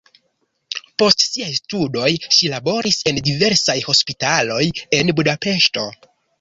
Post siaj studoj ŝi laboris en diversaj hospitaloj en Budapeŝto.